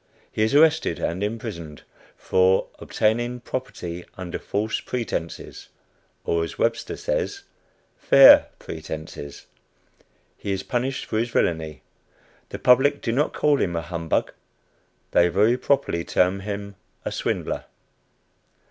He is arrested and imprisoned "for obtaining property under false pretences" or, as Webster says, "fair pretences." He is punished for his villainy. The public do not call him a "humbug;" they very properly term him a swindler.